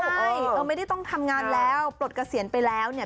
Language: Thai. ใช่ไม่ได้ต้องทำงานแล้วปลดเกษียณไปแล้วเนี่ย